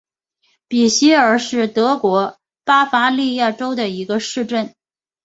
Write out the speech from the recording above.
比希尔是德国巴伐利亚州的一个市镇。